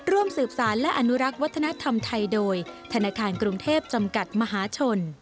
ร่วมสืบสารและอนุรักษ์วัฒนธรรมไทยโดยธนาคารกรุงเทพจำกัดมหาชน